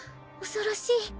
恐ろしい。